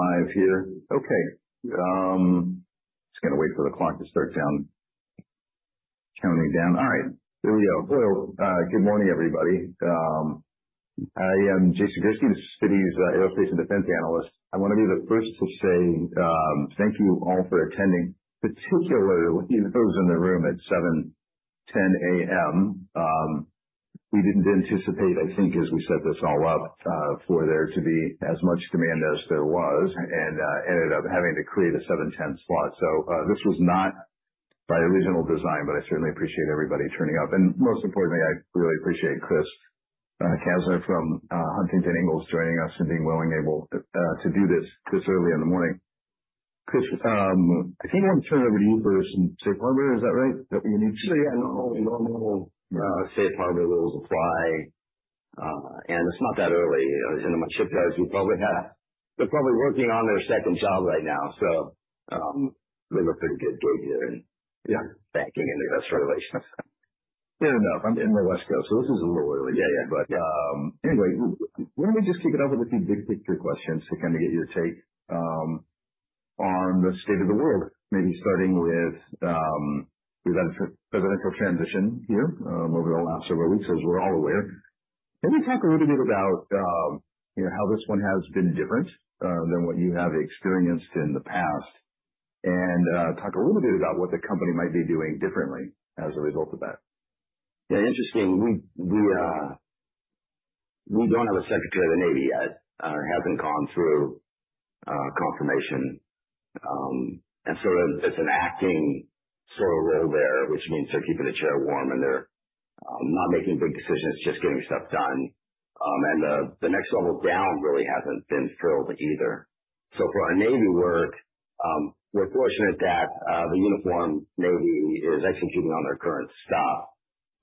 Live here. Okay. Just going to wait for the clock to start counting down. All right. Here we go. Good morning, everybody. I am Jason Gursky, Citigroup's aerospace and defense analyst. I want to be the first to say thank you all for attending, particularly those in the room at 7:10 A.M. We didn't anticipate, I think, as we set this all up, for there to be as much demand as there was and ended up having to create a 7:10 slot. So this was not by original design, but I certainly appreciate everybody turning up. And most importantly, I really appreciate Chris Kastner from Huntington Ingalls joining us and being willing and able to do this this early in the morning. Chris, I think I want to turn it over to you first and Safe Harbor is that right? Yeah, normal Safe Harbor rules apply. It's not that early. As soon as my shift goes, they're probably working on their second shift right now. So they look pretty good, Gabe's here, and yeah, banking and investor relations. Fair enough. I'm in the West Coast, so this is a little early. Yeah, yeah. But anyway, let me just kick it off with a few big picture questions to kind of get your take on the state of the world. Maybe starting with the presidential transition here over the last several weeks, as we're all aware. Maybe talk a little bit about how this one has been different than what you have experienced in the past, and talk a little bit about what the company might be doing differently as a result of that. Yeah, interesting. We don't have a Secretary of the Navy yet. It hasn't gone through confirmation, and so it's an acting sort of role there, which means they're keeping the chair warm, and they're not making big decisions, just getting stuff done, and the next level down really hasn't been filled either, so for our Navy work, we're fortunate that the uniformed Navy is executing on their current staff,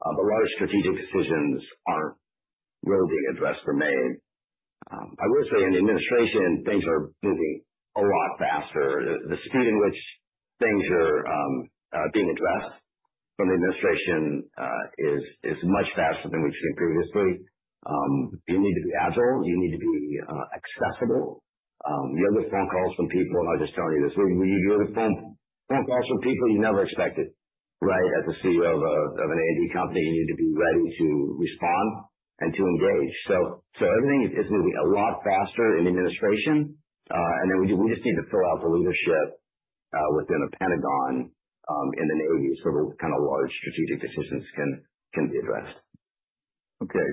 but a lot of strategic decisions aren't really being addressed or made. I will say in the administration, things are moving a lot faster. The speed in which things are being addressed from the administration is much faster than we've seen previously. You need to be agile. You need to be accessible. You have the phone calls from people, and I'll just tell you this. When you hear the phone calls from people, you never expect it, right? As the CEO of an A&D company, you need to be ready to respond and to engage. So everything is moving a lot faster in the administration. And then we just need to fill out the leadership within the Pentagon in the Navy so those kind of large strategic decisions can be addressed. Okay.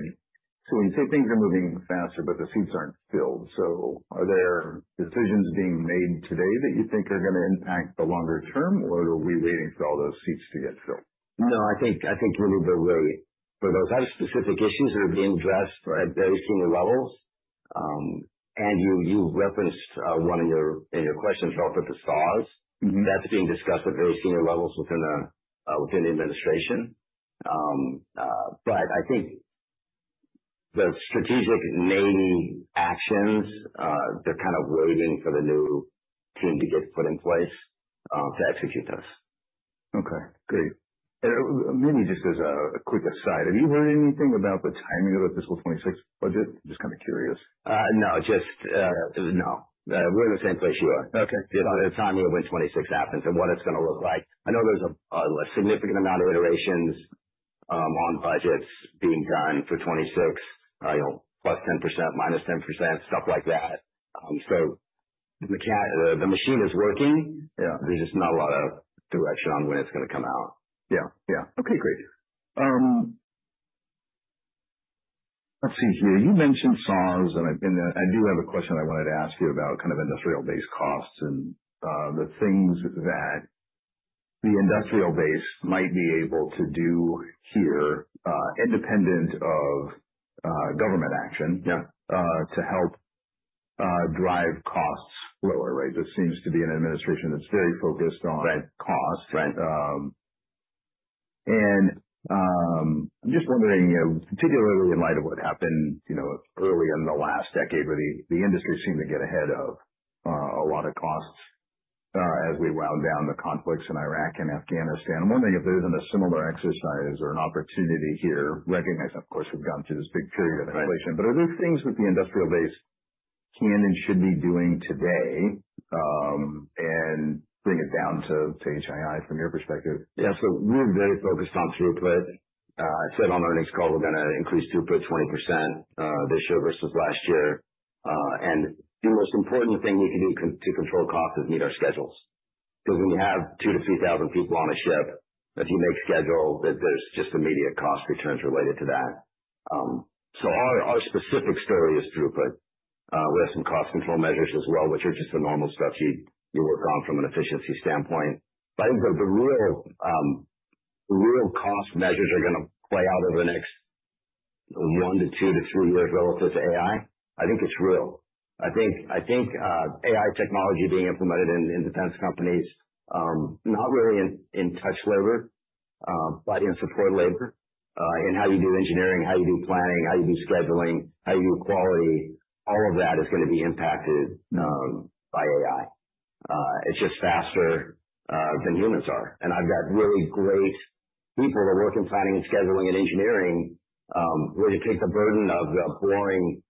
So when you say things are moving faster, but the seats aren't filled, so are there decisions being made today that you think are going to impact the longer term, or are we waiting for all those seats to get filled? No, I think we need to wait for those specific issues that are being addressed at very senior levels. And you referenced one of your questions about the SARs. That's being discussed at very senior levels within the administration. But I think the strategic Navy actions, they're kind of waiting for the new team to get put in place to execute those. Okay. Great. Maybe just as a quick aside, have you heard anything about the timing of the fiscal 26 budget? Just kind of curious. No, just no. We're in the same place you are. The timing of when 26 happens and what it's going to look like. I know there's a significant amount of iterations on budgets being done for 26, plus 10%, minus 10%, stuff like that. So the machine is working. There's just not a lot of direction on when it's going to come out. Yeah. Yeah. Okay. Great. Let's see here. You mentioned SARs, and I do have a question I wanted to ask you about kind of industrial-based costs and the things that the industrial base might be able to do here independent of government action to help drive costs lower, right? This seems to be an administration that's very focused on cost. And I'm just wondering, particularly in light of what happened early in the last decade, where the industry seemed to get ahead of a lot of costs as we wound down the conflicts in Iraq and Afghanistan. I'm wondering if there isn't a similar exercise or an opportunity here, recognizing, of course, we've gone through this big period of inflation, but are there things that the industrial base can and should be doing today and bring it down to HII from your perspective? Yeah, so we're very focused on throughput. I said on earnings call, we're going to increase throughput 20% this year versus last year. And the most important thing we can do to control cost is meet our schedules. Because when you have 2,000-3,000 people on a ship, if you make schedule, there's just immediate cost returns related to that. So our specific story is throughput. We have some cost control measures as well, which are just the normal stuff you work on from an efficiency standpoint. But I think the real cost measures are going to play out over the next one to two to three years relative to AI. I think it's real. I think AI technology being implemented in defense companies, not really in touch labor, but in support labor, in how you do engineering, how you do planning, how you do scheduling, how you do quality, all of that is going to be impacted by AI. It's just faster than humans are. I've got really great people that work in planning and scheduling and engineering where they take the burden of the boring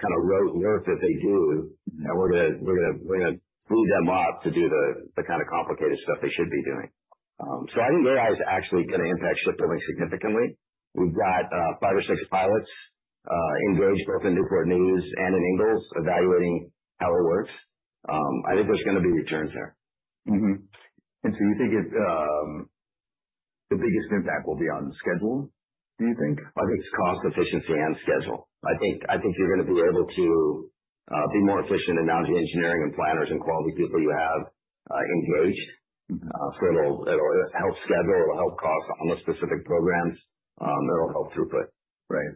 kind of rote work that they do, and we're going to lead them up to do the kind of complicated stuff they should be doing. I think AI is actually going to impact shipbuilding significantly. We've got five or six pilots engaged both in Newport News and in Ingalls evaluating how it works. I think there's going to be returns there. You think the biggest impact will be on schedule, do you think? I think it's cost, efficiency, and schedule. I think you're going to be able to be more efficient in managing engineering and planners and quality people you have engaged. So it'll help schedule. It'll help cost on the specific programs. It'll help throughput. Right.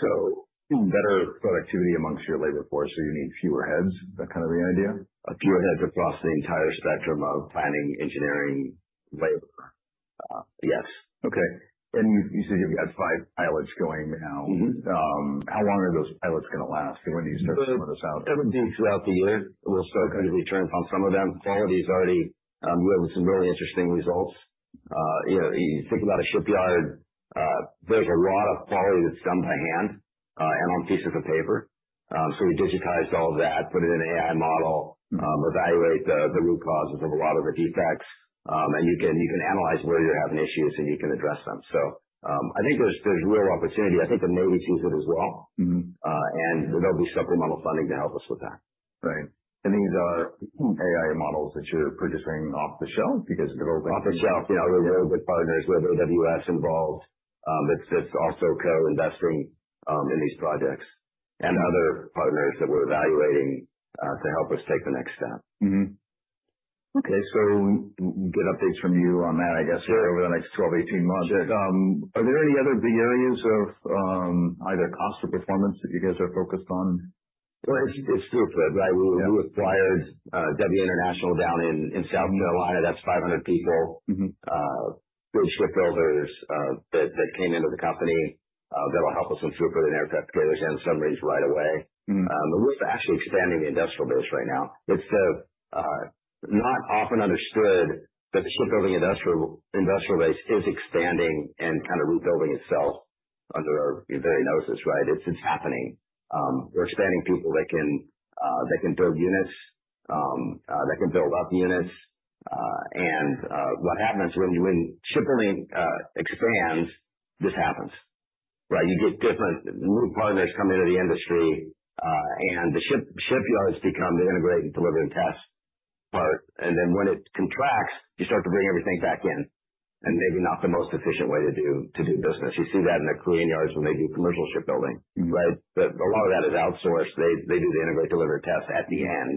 So better productivity among your labor force where you need fewer heads, that kind of the idea? Fewer heads across the entire spectrum of planning, engineering, labor. Yes. Okay. And you said you've got five pilots going now. How long are those pilots going to last? And when do you start to sort this out? It would be throughout the year. We'll start to get returns on some of them. Quality is already. We have some really interesting results. You think about a shipyard, there's a lot of quality that's done by hand and on pieces of paper. So we digitized all of that, put it in an AI model, evaluate the root causes of a lot of the defects, and you can analyze where you're having issues and you can address them. So I think there's real opportunity. I think the Navy sees it as well, and there'll be supplemental funding to help us with that. Right. And these are AI models that you're purchasing off the shelf because developing? Off the shelf. We have very good partners. We have AWS involved that's also co-investing in these projects and other partners that we're evaluating to help us take the next step. Okay. So we'll get updates from you on that, I guess, over the next 12-18 months. Are there any other big areas of either cost or performance that you guys are focused on? It's throughput, right? We acquired W International down in South Carolina. That's 500 people, big shipbuilders that came into the company that'll help us improve within aircraft carriers and submarines right away. We're actually expanding the industrial base right now. It's not often understood that the shipbuilding industrial base is expanding and kind of rebuilding itself under our very noses, right? It's happening. We're expanding people that can build units, that can build up units. And what happens when shipbuilding expands, this happens, right? You get different new partners coming into the industry, and the shipyards become the integrate and delivery and test part. And then when it contracts, you start to bring everything back in. And maybe not the most efficient way to do business. You see that in the Korean yards when they do commercial shipbuilding, right? But a lot of that is outsourced. They do the integrated delivery test at the end.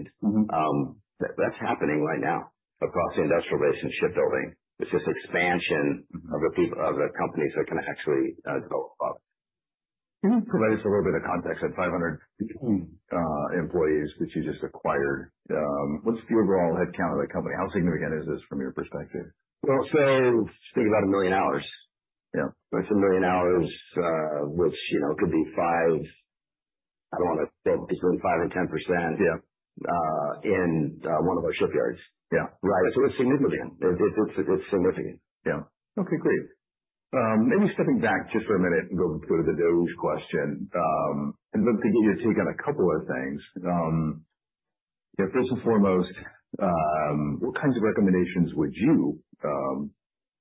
That's happening right now across the industrial base and shipbuilding. It's just expansion of the companies that can actually develop above it. Can you provide us a little bit of context? I have 500 employees, which you just acquired. What's the overall headcount of the company? How significant is this from your perspective? Speaking about a million hours, it's a million hours, which could be 5%. I don't want to quote between 5% and 10% in one of our shipyards. Right? So it's significant. It's significant. Yeah. Okay. Great. Maybe stepping back just for a minute and go to the DOGE question, I'd love to get your take on a couple of things. First and foremost, what kinds of recommendations would you,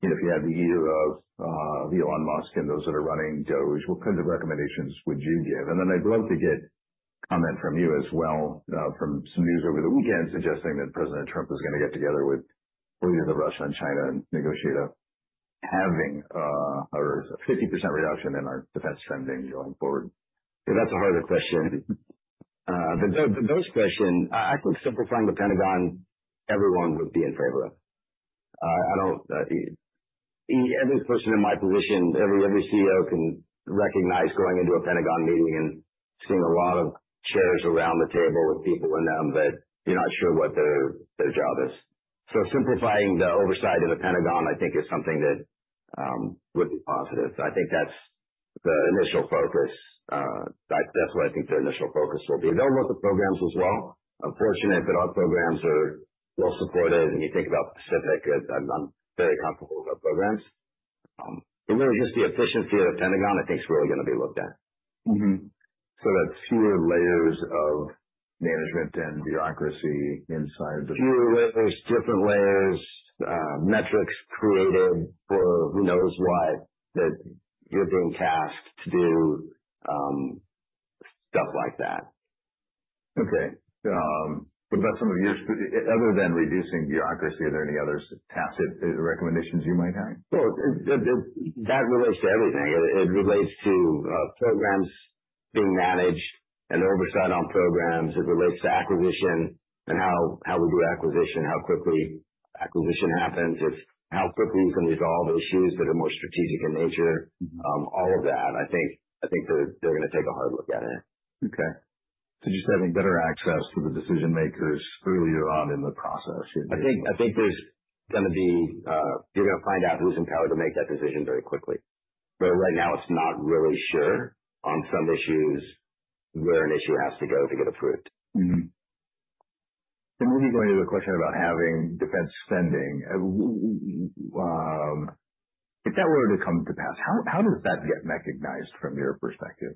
if you had the ear of Elon Musk and those that are running DOGE, what kinds of recommendations would you give? Then I'd love to get comment from you as well from some news over the weekend suggesting that President Trump is going to get together with the leaders of Russia and China and negotiate a halving or a 50% reduction in our defense spending going forward. That's a harder question. The DOGE question, I think simplifying the Pentagon, everyone would be in favor of. Every person in my position, every CEO can recognize going into a Pentagon meeting and seeing a lot of chairs around the table with people in them that you're not sure what their job is. So simplifying the oversight of the Pentagon, I think, is something that would be positive. I think that's the initial focus. That's what I think their initial focus will be. They'll look at programs as well. I'm fortunate that our programs are well supported. And you think about the Pacific, I'm very comfortable with our programs. It really is just the efficiency of the Pentagon, I think, is really going to be looked at. So that's fewer layers of management and bureaucracy inside the. Fewer layers, different layers, metrics created for who knows what that you're being tasked to do, stuff like that. Okay. What about some of your other than reducing bureaucracy? Are there any other recommendations you might have? That relates to everything. It relates to programs being managed and oversight on programs. It relates to acquisition and how we do acquisition, how quickly acquisition happens, how quickly you can resolve issues that are more strategic in nature, all of that. I think they're going to take a hard look at it. Okay. So just having better access to the decision-makers earlier on in the process. I think there's going to be, you're going to find out who's empowered to make that decision very quickly, but right now, it's not really sure on some issues where an issue has to go to get approved. Moving on to the question about having defense spending, if that were to come to pass, how does that get recognized from your perspective?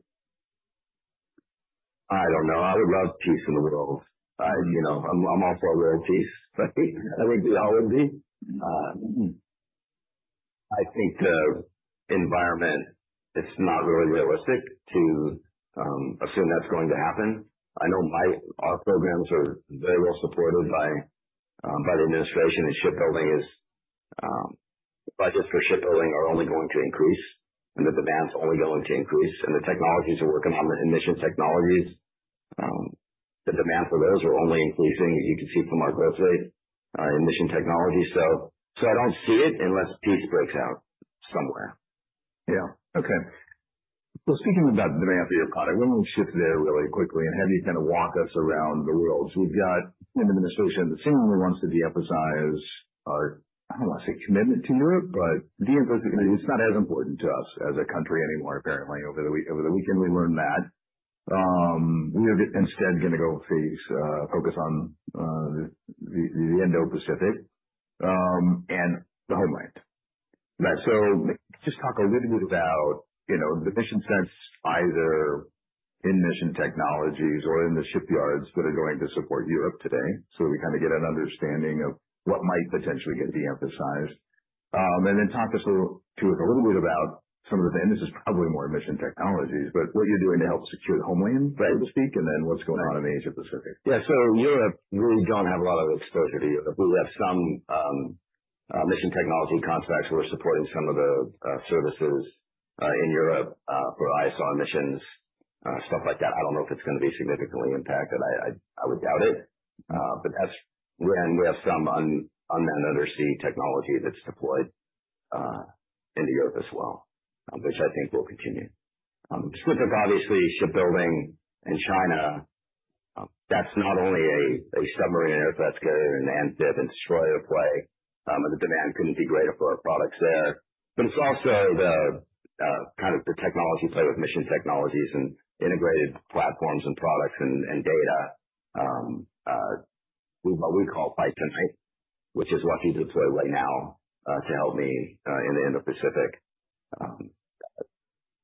I don't know. I would love peace in the world. I'm all for a world peace. I think we all would be. I think the environment, it's not really realistic to assume that's going to happen. I know our programs are very well supported by the administration and shipbuilding budgets for shipbuilding are only going to increase and the demand's only going to increase, and the technologies we're working on, the Mission Technologies, the demand for those are only increasing, as you can see from our growth rate, Mission Technologies. So I don't see it unless peace breaks out somewhere. Yeah. Okay. Well, speaking about the demand for your product, let me shift there really quickly and have you kind of walk us around the world. So we've got an administration that seemingly wants to de-emphasize our, I don't want to say commitment to Europe, but it's not as important to us as a country anymore, apparently. Over the weekend, we learned that. We are instead going to go focus on the Indo-Pacific and the homeland. So just talk a little bit about the mission sense either in Mission Technologies or in the shipyards that are going to support Europe today. So we kind of get an understanding of what might potentially get de-emphasized. Then talk to us a little bit about some of the, and this is probably more Mission Technologies, but what you're doing to help secure the homeland, right, to speak, and then what's going on in the Asia-Pacific. Yeah. So Europe really don't have a lot of exposure to Europe. We have some mission technology contracts where we're supporting some of the services in Europe for ISR missions, stuff like that. I don't know if it's going to be significantly impacted. I would doubt it. But we have some unmanned undersea technology that's deployed into Europe as well, which I think will continue. Specifically, obviously, shipbuilding in China, that's not only a submarine and aircraft carrier and amphib and destroyer play. The demand couldn't be greater for our products there. But it's also the kind of the technology play with Mission Technologies and integrated platforms and products and data we call Fight Tonight, which is what you deploy right now to help me in the Indo-Pacific.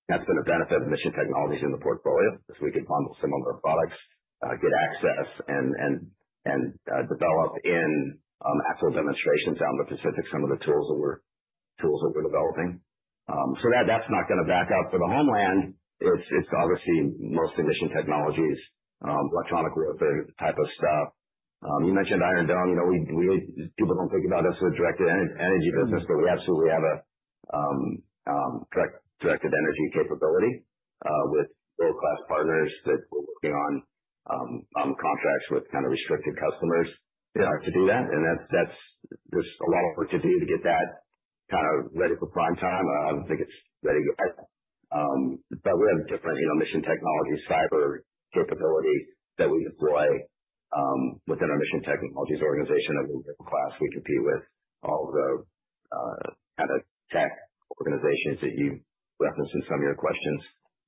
That's been a benefit of Mission Technologies in the portfolio because we could bundle some of our products, get access, and develop in actual demonstrations in the Pacific some of the tools that we're developing. So that's not going to back up for the homeland. It's obviously mostly Mission Technologies, electronic warfare type of stuff. You mentioned Iron Dome. People don't think about us as a directed energy business, but we absolutely have a directed energy capability with world-class partners that we're working on contracts with kind of restricted customers to do that. And there's a lot of work to do to get that kind of ready for prime time. I don't think it's ready yet. But we have different Mission Technologies, cyber capability that we deploy within our Mission Technologies organization of a world-class. We compete with all the kind of tech organizations that you referenced in some of your questions.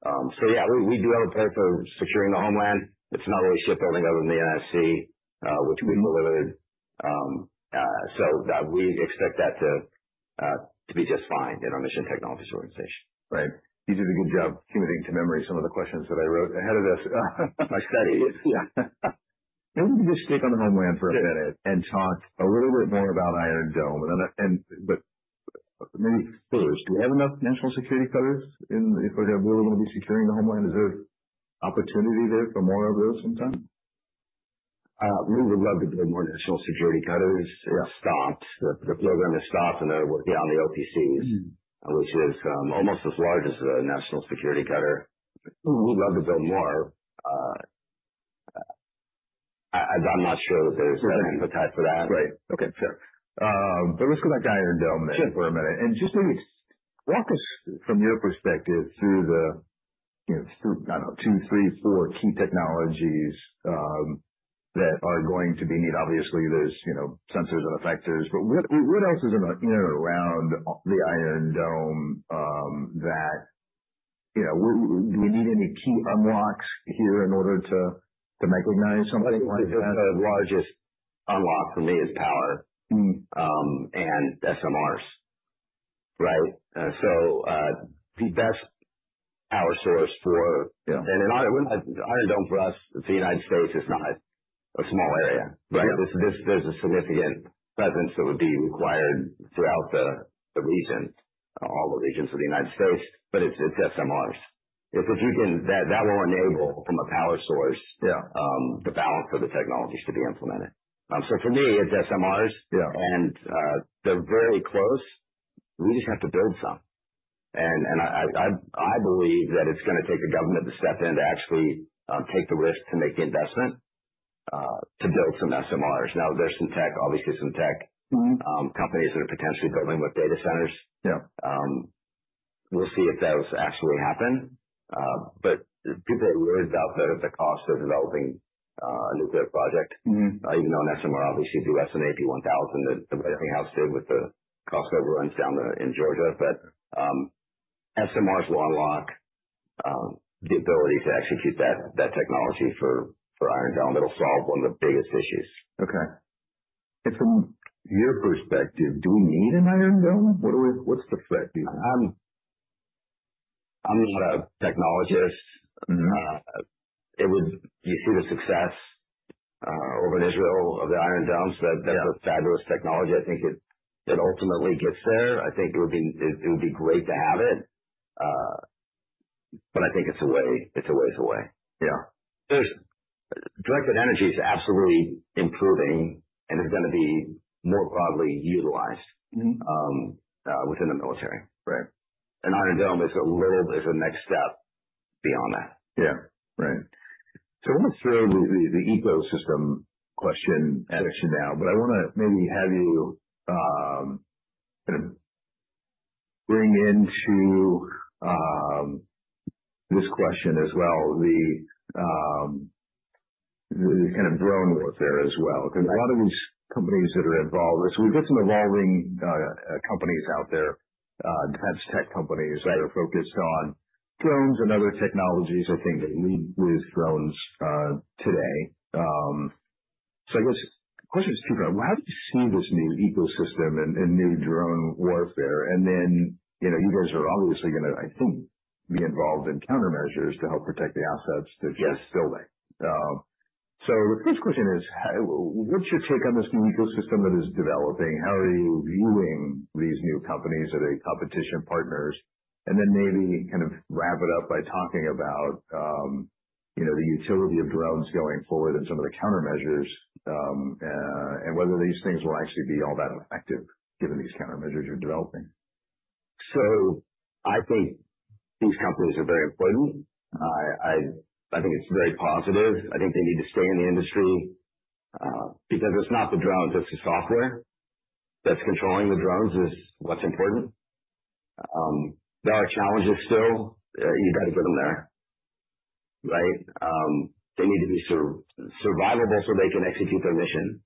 So yeah, we do have a point for securing the homeland. It's not really shipbuilding other than the NSC, which we've delivered. So we expect that to be just fine in our Mission Technologies organization. Right. You did a good job committing to memory some of the questions that I wrote ahead of this study. Maybe we just stick on the homeland for a minute and talk a little bit more about Iron Dome. But maybe first, do we have enough National Security Cutters if we're really going to be securing the homeland? Is there opportunity there for more of those sometime? We would love to build more National Security Cutters. The program has stopped, and they're working on the OPCs, which is almost as large as a National Security Cutter. We'd love to build more. I'm not sure that there's an appetite for that. Right. Okay. Sure. But let's go back to Iron Dome for a minute. And just maybe walk us from your perspective through the, I don't know, two, three, four key technologies that are going to be needed. Obviously, there's sensors and effectors, but what else is in and around the Iron Dome that we need any key unlocks here in order to recognize something like that? I think the largest unlock for me is power and SMRs, right? The best power source for Iron Dome for us, the United States, is not a small area, right? There's a significant presence that would be required throughout the region, all the regions of the United States, but it's SMRs. If you can, that will enable from a power source the balance of the technologies to be implemented. For me, it's SMRs, and they're very close. We just have to build some. I believe that it's going to take the government to step in to actually take the risk to make the investment to build some SMRs. Now, there's some tech, obviously some tech companies that are potentially building with data centers. We'll see if those actually happen. People are worried about the cost of developing a nuclear project, even though an SMR obviously would be less than AP1000, the way everything else did with the cost overruns down in Georgia. SMRs will unlock the ability to execute that technology for Iron Dome. It'll solve one of the biggest issues. Okay. And from your perspective, do we need an Iron Dome? What's the threat? I'm not a technologist. You see the success over in Israel of the Iron Dome. That's a fabulous technology. I think it ultimately gets there. I think it would be great to have it, but I think it's a ways away. Yeah. Directed energy is absolutely improving, and it's going to be more broadly utilized within the military, and Iron Dome is a next step beyond that. Yeah. Right. So let's throw the ecosystem question at you now, but I want to maybe have you kind of bring into this question as well, the kind of drone warfare as well. Because a lot of these companies that are involved, so we've got some evolving companies out there, defense tech companies that are focused on drones and other technologies. I think they lead with drones today. So I guess the question is two-part. How do you see this new ecosystem and new drone warfare? And then you guys are obviously going to, I think, be involved in countermeasures to help protect the assets that you're still there. So the first question is, what's your take on this new ecosystem that is developing? How are you viewing these new companies that are competition partners? And then maybe kind of wrap it up by talking about the utility of drones going forward and some of the countermeasures and whether these things will actually be all that effective given these countermeasures you're developing. So I think these companies are very important. I think it's very positive. I think they need to stay in the industry because it's not the drones, it's the software that's controlling the drones is what's important. There are challenges still. You got to get them there, right? They need to be survivable so they can execute their mission.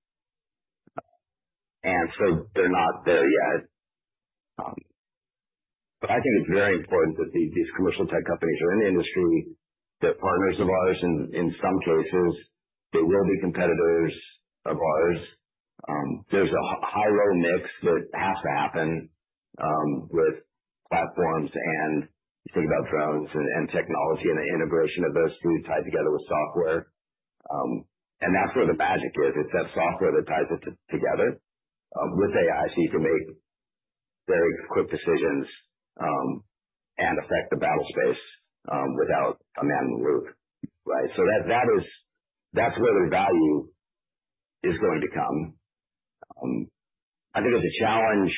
And so they're not there yet. But I think it's very important that these commercial tech companies are in the industry. They're partners of ours in some cases. They will be competitors of ours. There's a high-road mix that has to happen with platforms and you think about drones and technology and the integration of those two tied together with software. And that's where the magic is. It's that software that ties it together with AI so you can make very quick decisions and affect the battlespace without a man in the loop, right? So that's where the value is going to come. I think it's a challenge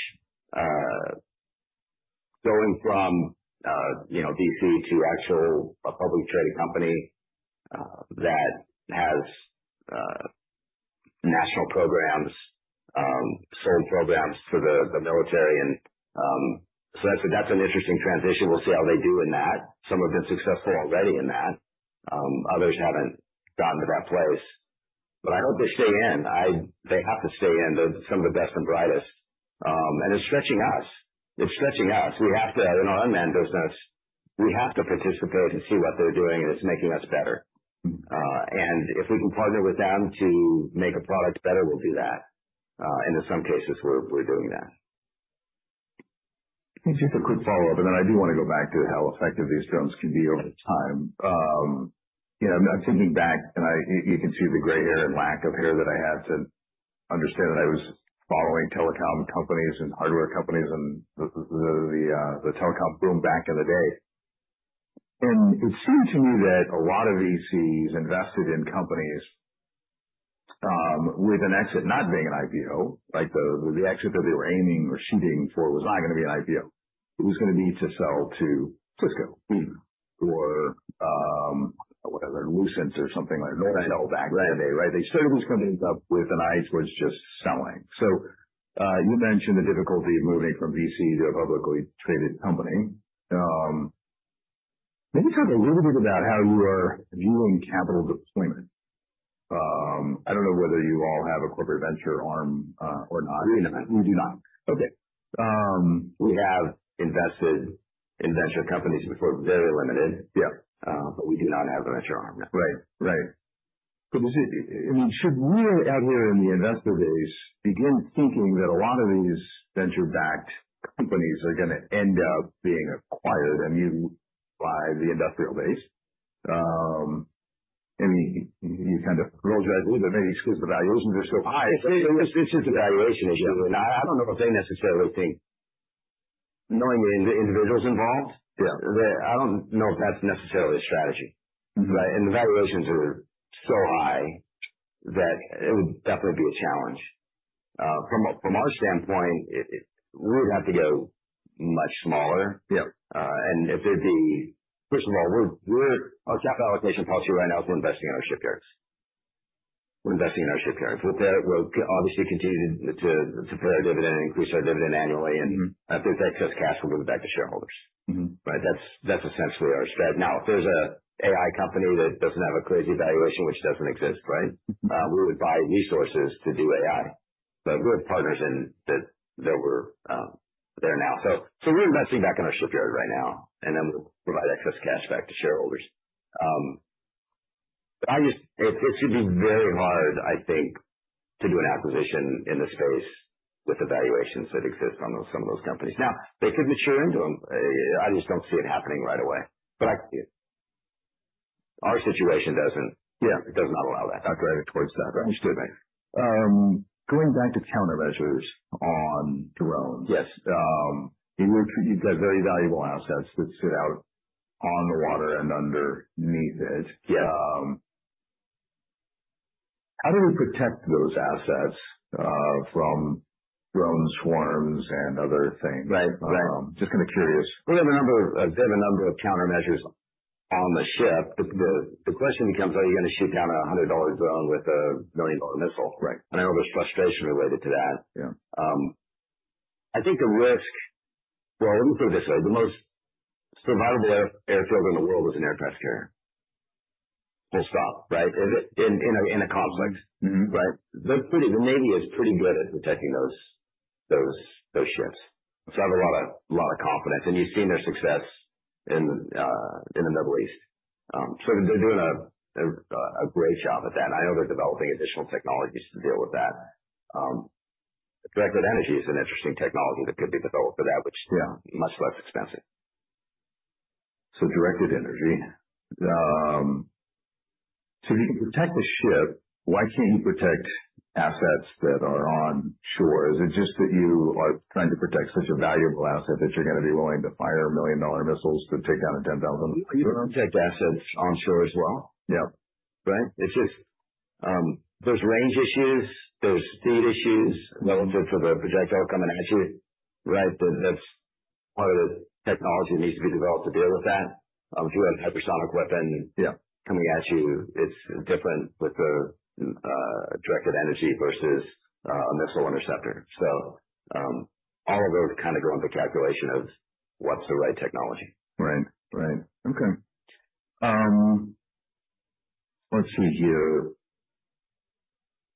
going from DC to actually a publicly traded company that has national programs, sold programs to the military. And so that's an interesting transition. We'll see how they do in that. Some have been successful already in that. Others haven't gotten to that place. But I hope they stay in. They have to stay in. They're some of the best and brightest. And it's stretching us. It's stretching us. In our unmanned business, we have to participate and see what they're doing, and it's making us better. And if we can partner with them to make a product better, we'll do that. And in some cases, we're doing that. Just a quick follow-up, and then I do want to go back to how effective these drones can be over time. I'm thinking back, and you can see the gray hair and lack of hair that I had to understand that I was following telecom companies and hardware companies and the telecom boom back in the day. It seemed to me that a lot of VCs invested in companies with an exit not being an IPO. The exit that they were aiming or shooting for was not going to be an IPO. It was going to be to sell to Cisco or whatever, Lucent or something like Nortel back in the day, right? They started these companies up with an eye towards just selling. You mentioned the difficulty of moving from VC to a publicly traded company. Maybe talk a little bit about how you are viewing capital deployment. I don't know whether you all have a corporate venture arm or not. We do not. You do not. Okay. We have invested in venture companies before, very limited, but we do not have a venture arm now. Right. Right. But I mean, should we out here in the investor base begin thinking that a lot of these venture-backed companies are going to end up being acquired and used by the industrial base? I mean, you kind of rolled your eyes a little bit. Maybe it's because the valuations are so high. It's just a valuation issue, and I don't know if they necessarily think, knowing the individuals involved, I don't know if that's necessarily a strategy, right, and the valuations are so high that it would definitely be a challenge. From our standpoint, we would have to go much smaller, and if there'd be, first of all, our capital allocation policy right now is we're investing in our shipyards. We're investing in our shipyards. We'll obviously continue to pay our dividend and increase our dividend annually, and if there's excess cash, we'll give it back to shareholders, right? That's essentially our strategy. Now, if there's an AI company that doesn't have a crazy valuation, which doesn't exist, right? We would buy resources to do AI, but we have partners that were there now, so we're investing back in our shipyard right now, and then we'll provide excess cash back to shareholders. It should be very hard, I think, to do an acquisition in this space with the valuations that exist on some of those companies. Now, they could mature into them. I just don't see it happening right away. But our situation doesn't allow that. Not driving towards that. Understood. Going back to countermeasures on drones. You've got very valuable assets that sit out on the water and underneath it. How do we protect those assets from drone swarms and other things? Just kind of curious. They have a number of countermeasures on the ship. The question becomes, are you going to shoot down a $100 drone with a million-dollar missile? I know there's frustration related to that. I think the risk. Let me put it this way. The most survivable airfield in the world is an aircraft carrier. Full stop. Right? In a conflict, right? The Navy is pretty good at protecting those ships. I have a lot of confidence. And you've seen their success in the Middle East. They're doing a great job at that. I know they're developing additional technologies to deal with that. Directed energy is an interesting technology that could be developed for that, which is much less expensive. So, Directed energy. So if you can protect the ship, why can't you protect assets that are on shore? Is it just that you are trying to protect such a valuable asset that you're going to be willing to fire million-dollar missiles to take down a 10,000? You can protect assets on shore as well, right? It's just, there's range issues. There's speed issues relative to the projectile coming at you, right? That's part of the technology that needs to be developed to deal with that. If you have a hypersonic weapon coming at you, it's different with a directed energy versus a missile interceptor. So all of those kind of go into calculation of what's the right technology. Right. Right. Okay. Let's see here.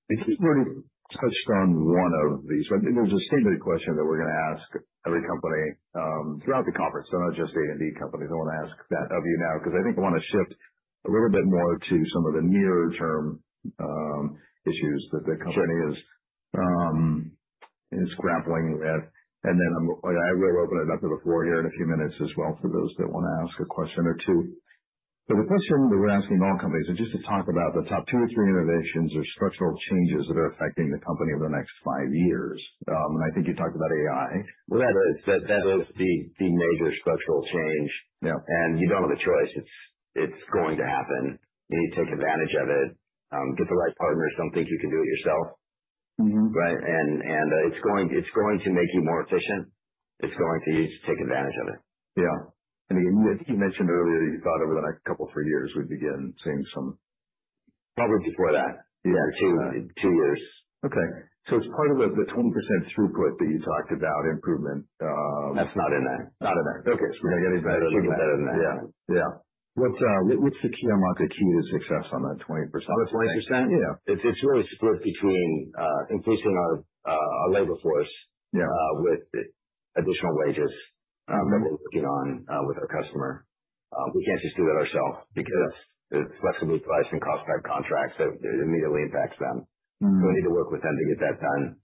I think we've already touched on one of these, but there's a standard question that we're going to ask every company throughout the conference. So not just A&D companies. I want to ask that of you now because I think I want to shift a little bit more to some of the near-term issues that the company is grappling with. And then I will open it up to the floor here in a few minutes as well for those that want to ask a question or two. But the question that we're asking all companies is just to talk about the top two or three innovations or structural changes that are affecting the company over the next five years. And I think you talked about AI. That is the major structural change, and you don't have a choice. It's going to happen. You need to take advantage of it. Get the right partners. Don't think you can do it yourself, right, and it's going to make you more efficient. It's going to take advantage of it. Yeah. And again, you mentioned earlier you thought over the next couple of three years we'd begin seeing some. Probably before that. Two years. Okay. So it's part of the 20% throughput that you talked about improvement. That's not in there. Not in there. Okay. So we're going to get into that a little bit better than that. Yeah. What's the key marker, key to success on that 20%? On the 20%? Yeah. It's really split between increasing our labor force with additional wages that we're working on with our customer. We can't just do that ourselves because the fixed-price and cost-type contracts immediately impact them. So we need to work with them to get that done.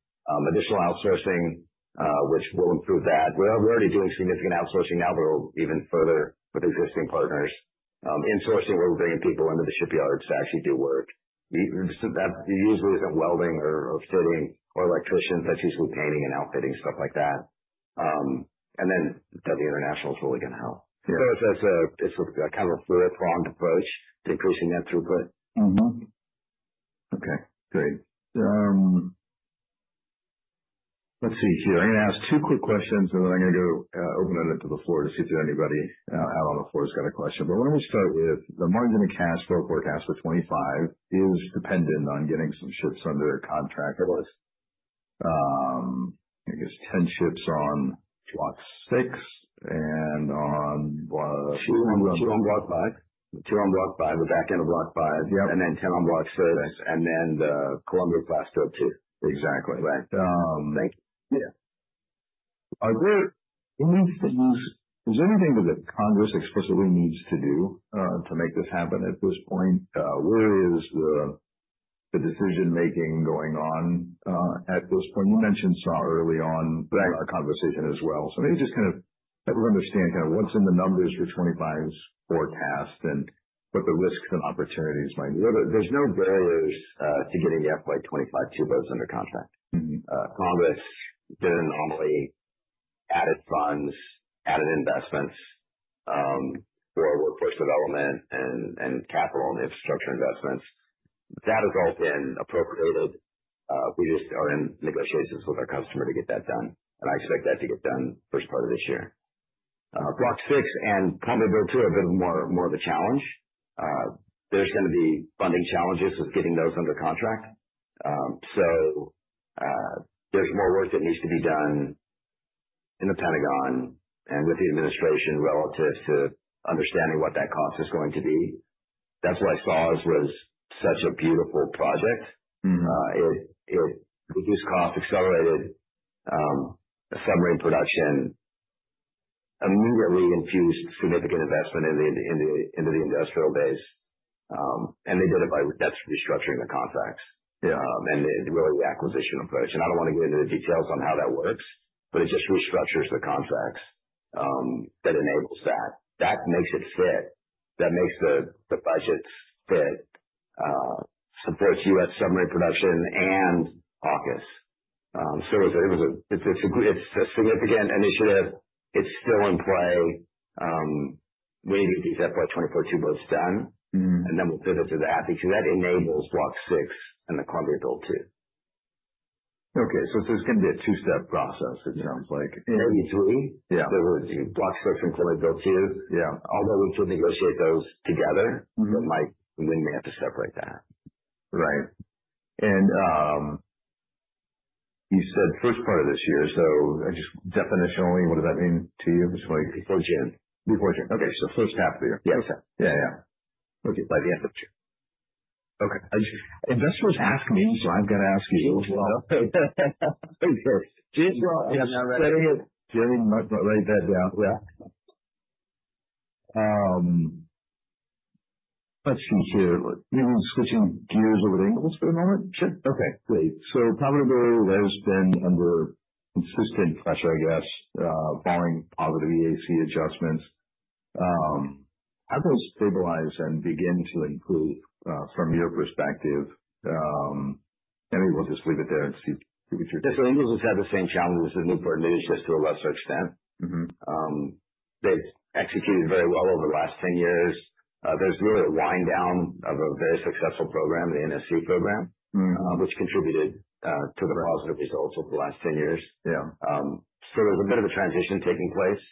Additional outsourcing, which will improve that. We're already doing significant outsourcing now, but it'll even further with existing partners. Insourcing, we're bringing people into the shipyards to actually do work. It usually isn't welding or fitting or electricians. That's usually painting and outfitting, stuff like that. And then the international is really going to help. So it's kind of a four-pronged approach to increasing that throughput. Okay. Great. Let's see here. I'm going to ask two quick questions, and then I'm going to go open it up to the floor to see if there's anybody out on the floor who's got a question. But why don't we start with the margin of cash forecast for 2025 is dependent on getting some ships under contract. I guess 10 ships on Block 6 and on block. Two on Block 5. Two on Block 5, the back end of Block 5, and then 10 on Block 6, and then the Columbia-class 1 and 2. Exactly. Right. Thank you. Yeah. Is there anything that the Congress explicitly needs to do to make this happen at this point? Where is the decision-making going on at this point? You mentioned some early on in our conversation as well. So maybe just kind of help us understand kind of what's in the numbers for '25's forecast and what the risks and opportunities might be. There's no barriers to getting FY25 to close under contract. Congress did an anomaly, added funds, added investments for workforce development and capital and infrastructure investments. That has all been appropriated. We just are in negotiations with our customer to get that done. And I expect that to get done first part of this year. Block 6 and Columbia build-out are a bit more of a challenge. There's going to be funding challenges with getting those under contract. So there's more work that needs to be done in the Pentagon and with the administration relative to understanding what that cost is going to be. That's what I saw as such a beautiful project. It reduced costs, accelerated submarine production, immediately infused significant investment into the industrial base. And they did it by restructuring the contracts and really the acquisition approach. I don't want to get into the details on how that works, but it just restructures the contracts that enables that. That makes it fit. That makes the budgets fit. Supports U.S. submarine production and AUKUS. It's a significant initiative. It's still in play. We need to get these FY24 two boats done, and then we'll pivot to that because that enables Block 6 and the Columbia Build 2. Okay, so it's going to be a two-step process, it sounds like. Maybe three. There were two Block 6 and Columbia Build 2. Although we could negotiate those together, we may have to separate that. Right. And you said first part of this year. So just definitionally, what does that mean to you? Before June. Before June. Okay. So first half of the year. Yes. First half. Yeah, yeah. By the end of June. Okay. Investors ask me, so I've got to ask you as well. Okay. Okay. I'm not ready. Jeremy, write that down. Yeah. Let's see here. Maybe switching gears over to Ingalls for a moment. Sure. Okay. Great. So probably there's been under consistent pressure, I guess, following positive EAC adjustments. How do those stabilize and begin to improve from your perspective? Maybe we'll just leave it there and see what you're thinking. So Ingalls has had the same challenges as Newport News just to a lesser extent. They've executed very well over the last 10 years. There's really a wind down of a very successful program, the NSC program, which contributed to the positive results over the last 10 years. So there's a bit of a transition taking place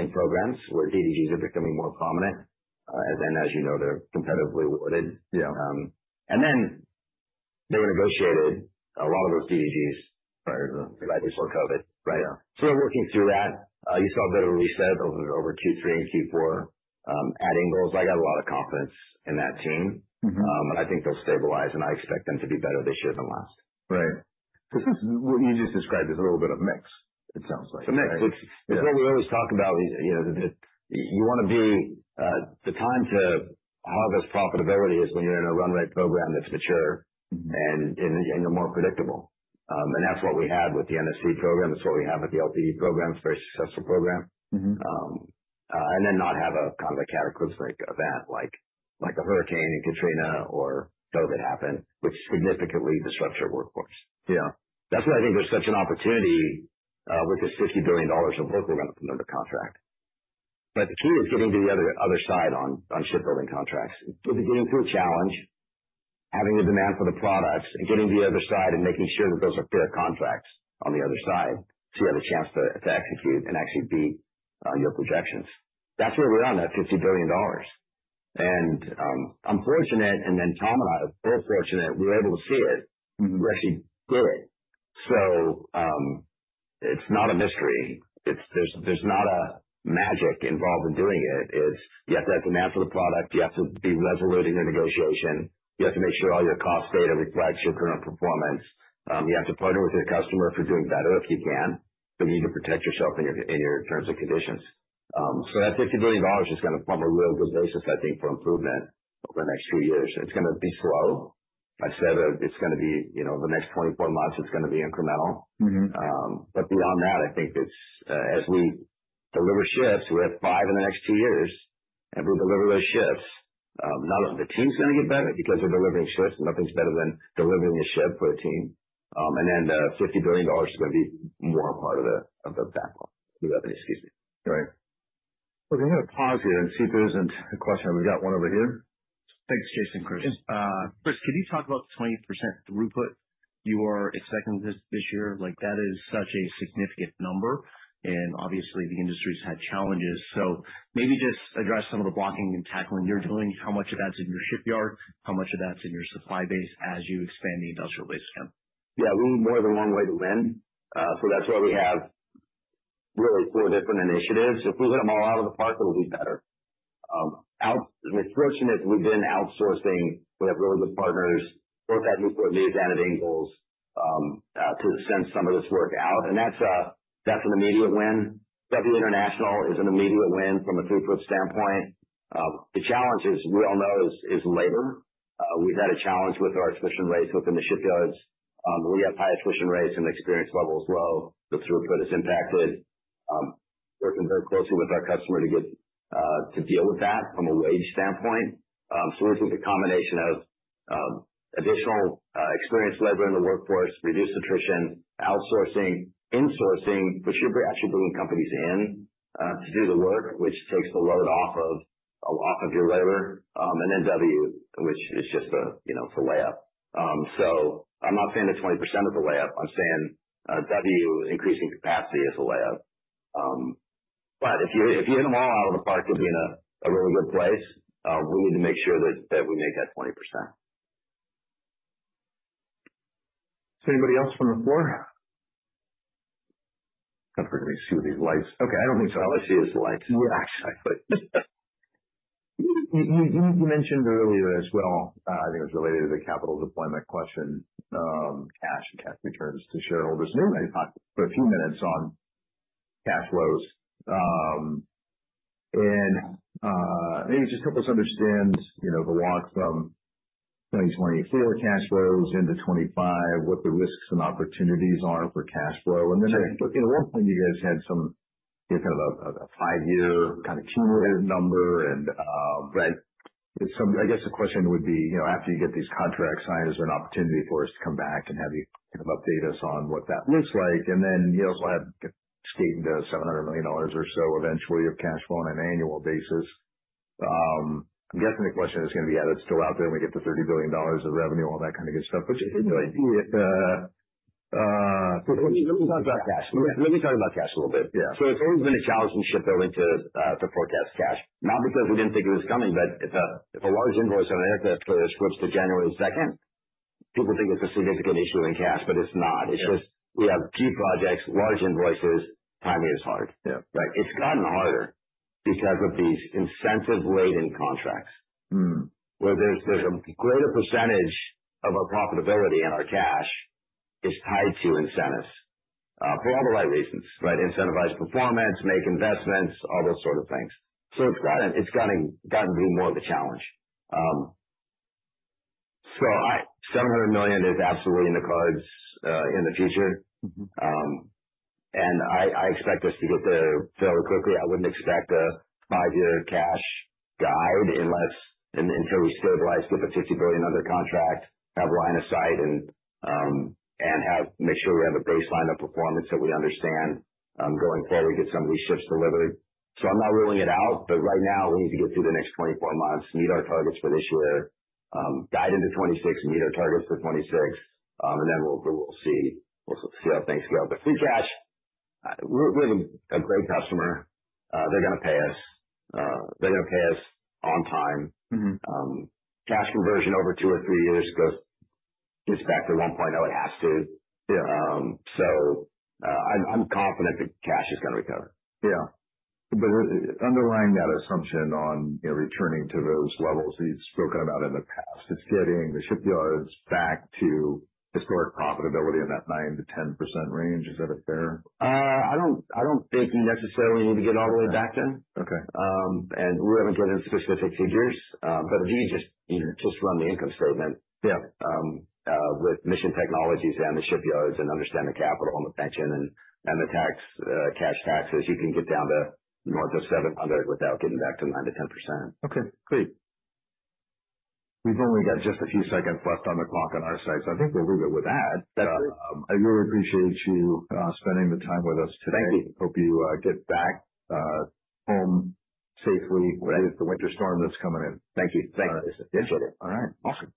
in programs where DDGs are becoming more prominent. And then, as you know, they're competitively awarded. And then they were negotiated, a lot of those DDGs prior to COVID, right? So they're working through that. You saw a bit of a reset over Q3 and Q4 at Ingalls. I got a lot of confidence in that team. But I think they'll stabilize, and I expect them to be better this year than last. Right. This is what you just described as a little bit of mix. It sounds like. It's a mix. It's what we always talk about. You want to be the time to harvest profitability is when you're in a run rate program that's mature and you're more predictable. And that's what we had with the NSC program. That's what we have with the LPD program. It's a very successful program. And then not have a kind of a cataclysmic event like a Hurricane Katrina or COVID happened, which significantly disrupts your workforce. That's why I think there's such an opportunity with this $50 billion of work we're going to put under contract. But the key is getting to the other side on shipbuilding contracts. Getting through a challenge, having the demand for the products, and getting to the other side and making sure that those are fair contracts on the other side so you have a chance to execute and actually beat your projections. That's where we are on that $50 billion. And I'm fortunate, and then Tom and I are both fortunate. We were able to see it. We actually did it. So it's not a mystery. There's not a magic involved in doing it. You have to have demand for the product. You have to be resolute in your negotiation. You have to make sure all your cost data reflects your current performance. You have to partner with your customer if you're doing better, if you can. But you need to protect yourself in your terms and conditions. So that $50 billion is going to form a real good basis, I think, for improvement over the next few years. It's going to be slow. I said it's going to be over the next 24 months, it's going to be incremental. But beyond that, I think as we deliver ships, we have five in the next two years, and if we deliver those ships, not only the team's going to get better because they're delivering ships, nothing's better than delivering a ship for a team. And then the $50 billion is going to be more part of the backlog of the revenue, excuse me. Right. Okay. I'm going to pause here and see if there isn't a question. We've got one over here. Thanks, Jason and Chris. Chris, can you talk about the 20% throughput you are expecting this year? That is such a significant number, and obviously, the industry's had challenges, so maybe just address some of the blocking and tackling you're doing. How much of that's in your shipyard? How much of that's in your supply base as you expand the industrial base again? Yeah. We need more of a long way to lend. So that's why we have really four different initiatives. If we hit them all out of the park, it'll be better. We're fortunate that we've been outsourcing. We have really good partners. We'll have that Newport News out of Ingalls to send some of this work out. And that's an immediate win. W International is an immediate win from a throughput standpoint. The challenge is, we all know, is labor. We've had a challenge with our attrition rates within the shipyards. We have high attrition rates and experience levels low. The throughput is impacted. Working very closely with our customer to deal with that from a wage standpoint. So this is a combination of additional experienced labor in the workforce, reduced attrition, outsourcing, insourcing, which you're actually bringing companies in to do the work, which takes the load off of your labor, and then W, which is just a layup. So I'm not saying the 20% is a layup. I'm saying W, increasing capacity, is a layup. But if you hit them all out of the park, you'll be in a really good place. We need to make sure that we make that 20%. Is there anybody else from the floor? I'm trying to see with these lights. Okay. I don't think so. All I see is the lights. Yeah. Actually. You mentioned earlier as well, I think it was related to the capital deployment question, cash and cash returns to shareholders. And we've already talked for a few minutes on cash flows. And maybe just help us understand the walk from 2024 cash flows into 2025, what the risks and opportunities are for cash flow. And then at one point, you guys had some kind of a five-year kind of cumulative number. And I guess the question would be, after you get these contracts signed, is there an opportunity for us to come back and have you kind of update us on what that looks like? And then you also have to skate into $700 million or so eventually of cash flow on an annual basis. I'm guessing the question is going to be how that's still out there when we get the $30 billion of revenue, all that kind of good stuff. But just give me an idea. Let me talk about cash. Let me talk about cash a little bit. So it's always been a challenge in shipbuilding to forecast cash. Not because we didn't think it was coming, but if a large invoice on an aircraft carrier slips to January 2nd, people think it's a significant issue in cash, but it's not. It's just we have key projects, large invoices, timing is hard. It's gotten harder because of these incentive-laden contracts where there's a greater percentage of our profitability and our cash is tied to incentives for all the right reasons, right? Incentivize performance, make investments, all those sort of things. So it's gotten to be more of a challenge. So $700 million is absolutely in the cards in the future. And I expect us to get there fairly quickly. I wouldn't expect a five-year cash guide unless and until we stabilize, get the $50 billion under contract, have line of sight, and make sure we have a baseline of performance that we understand going forward, get some of these ships delivered, so I'm not ruling it out, but right now, we need to get through the next 24 months, meet our targets for this year, guide into 2026, meet our targets for 2026, and then we'll see how things go, but free cash, we have a great customer. They're going to pay us. They're going to pay us on time. Cash conversion over two or three years gets back to 1.0. It has to, so I'm confident that cash is going to recover. Yeah. But underlying that assumption on returning to those levels that you've spoken about in the past, it's getting the shipyards back to historic profitability in that 9%-10% range. Is that a fair? I don't think you necessarily need to get all the way back there. And we haven't given specific figures. But if you just run the income statement with Mission Technologies and the shipyards and understand the capital and the pension and the cash taxes, you can get down to north of 700 without getting back to 9%-10%. Okay. Great. We've only got just a few seconds left on the clock on our side. So I think we'll leave it with that. I really appreciate you spending the time with us today. Thank you. Hope you get back home safely with the winter storm that's coming in. Thank you. Thanks. Appreciate it. All right. Awesome.